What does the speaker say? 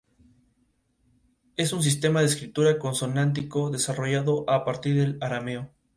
Es un sistema de escritura consonántico, desarrollado a partir del arameo.